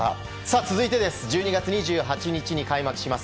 続いて、１２月２８日に開幕します